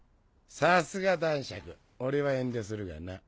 さすが男爵俺は遠慮するがな。